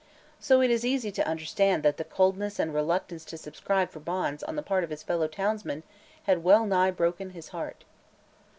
So it is easy to understand that the coldness and reluctance to subscribe for bonds on the part of his fellow townsmen had well nigh broken his heart.